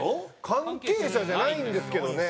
関係者じゃないんですけどね。